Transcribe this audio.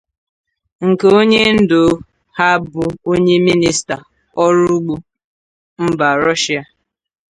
nke onye ndu ha bụ onye minista ọrụ ugbo mba Rọshịa